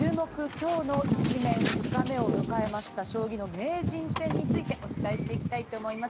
きょうのイチメン」２日目を迎えました、将棋の名人戦についてお伝えしていきたいと思います。